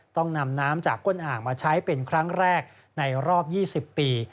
ต้องนำน้ำจากก้นอ่างมาใช้เป็นครั้งแรกในรอบ๒๐ปี